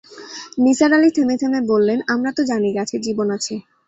নিসার আলি থেমে-থেমে বললেন, আমরা তো জানি গাছের জীবন আছে।